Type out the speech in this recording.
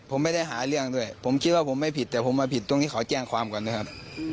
ผมไม่ได้หาเรื่องด้วยผมคิดว่าผมไม่ผิดแต่ผมมาผิดตรงนี้ขอแจ้งความก่อนนะครับ